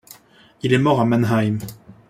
Il est mort à Mannheim.